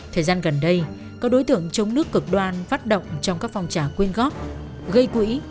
thời gian gần đây các đối tượng chống nước cực đoan phát động trong các phong trào quyên góp gây quỹ